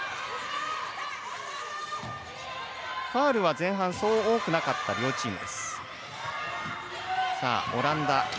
ファウルは前半そう多くなかった両チーム。